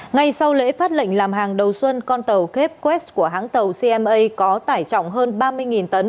ngay sau lễ phát lệnh làm hàng đầu xuân con tàu kep west của hãng tàu cma có tải trọng hơn ba mươi tấn